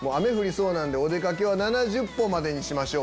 そうなんでお出掛けは７０歩までにしましょう。